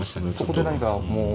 そこで何かもう。